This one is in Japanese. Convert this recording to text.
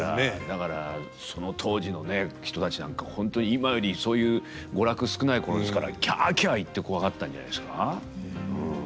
だからその当時のね人たちなんか本当に今よりそういう娯楽少ない頃ですから「キャキャ」言ってコワがったんじゃないですかうん。